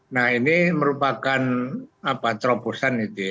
nah ini merupakan terobosan